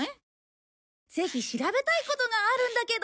ぜひ調べたいことがあるんだけど。